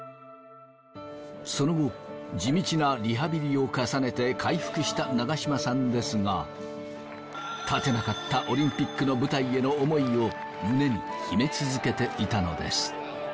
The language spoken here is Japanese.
その後地道なリハビリを重ねて回復した長嶋さんですが立てなかったオリンピックの舞台への思いを胸に秘め続けていたのです。